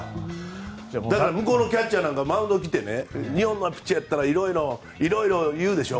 向こうのキャッチャーなんてマウンドに来て日本のピッチャーやったらいろいろ言うでしょ。